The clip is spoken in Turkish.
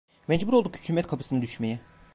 Mecbur olduk hükümet kapısına düşmeye.